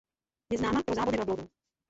Je známa pro závody velbloudů.